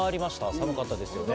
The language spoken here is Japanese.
寒かったですよね。